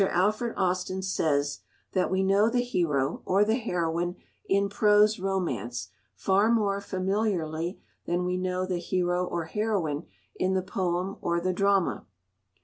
Alfred Austin says that "we know the hero or the heroine in prose romance far more familiarly than we know the hero or heroine in the poem or the drama."